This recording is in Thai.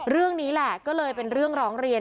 เรื่องนี้แหละก็เลยเป็นเรื่องร้องเรียน